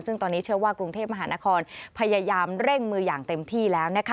ซึ่งตอนนี้เชื่อว่ากรุงเทพมหานครพยายามเร่งมืออย่างเต็มที่แล้วนะคะ